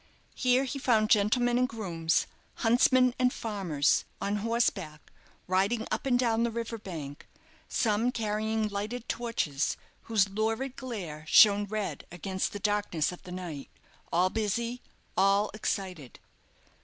Here he found gentlemen and grooms, huntsmen and farmers, on horseback, riding up and down the river bank; some carrying lighted torches, whose lurid glare shone red against the darkness of the night; all busy, all excited.